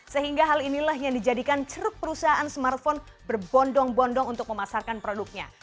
sehingga hal inilah yang dijadikan ceruk perusahaan smartphone berbondong bondong untuk memasarkan produknya